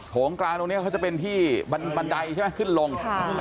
งกลางตรงนี้เขาจะเป็นที่บันไดใช่ไหมขึ้นลง